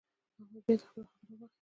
احمد بېرته خپله خبره واخيسته.